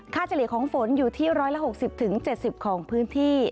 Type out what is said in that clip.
เฉลี่ยของฝนอยู่ที่๑๖๐๗๐ของพื้นที่